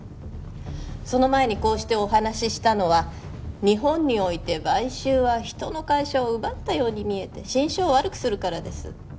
その前にこうしてお話ししたのは日本において買収は人の会社を奪ったように見えて心証を悪くするからです